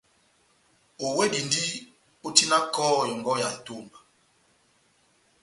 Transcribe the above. Owedindi ó tina ya kɔhɔ yɔ́ngɔ ya etomba